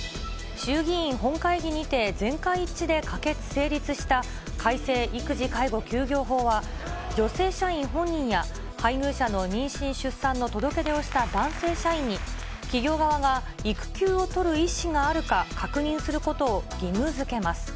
衆議院本会議にて全会一致で可決・成立した、改正育児・介護休業法は女性社員本人や配偶者の妊娠・出産の届け出をした男性社員に企業側が育休を取る意思があるか確認することを義務づけます。